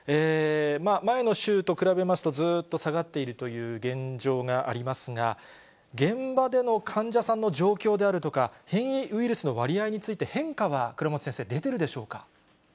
前の週と比べますと、ずっと下がっているという現状がありますが、現場での患者さんの状況であるとか、変異ウイルスの割合について、変化は、倉持先生、出ているでしょうか。